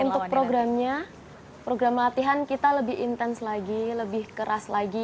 untuk programnya program latihan kita lebih intens lagi lebih keras lagi